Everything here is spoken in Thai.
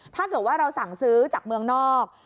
ถ้าเกิดว่าเราสั่งซื้อจากเมืองนอก